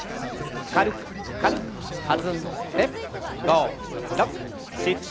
軽く軽く弾んで。